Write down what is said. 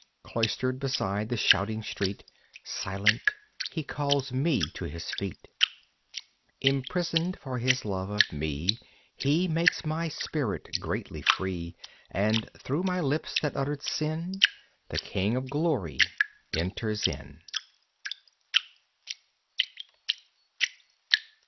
Cloistered beside the shouting street, Silent, He calls me to His feet. Imprisoned for His love of me He makes my spirit greatly free. And through my lips that uttered sin The King of Glory enters in.